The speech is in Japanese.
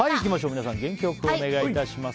皆さん、元気良くお願いします。